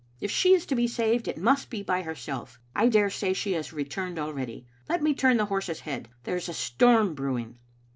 If she is to be saved, it must be by herself. I daresay she has returned already. Let me turn the horse's head. There is a storm brewing."